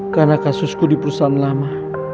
karena kasusku di perusahaan lama